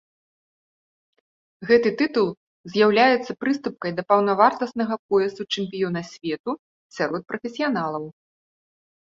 Гэты тытул з'яўляецца прыступкай да паўнавартаснага поясу чэмпіёна свету сярод прафесіяналаў.